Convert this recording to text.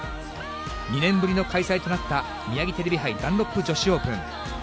２年ぶりの開催となったミヤギテレビ杯ダンロップ女子オープン。